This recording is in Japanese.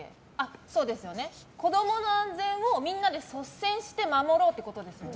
そうですよね子供の安全をみんなで率先して守ろうってことですよね。